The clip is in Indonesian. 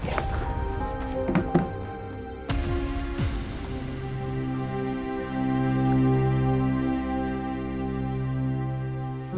saya akan mencapai semuanya dari kebenaran yang ada di dalam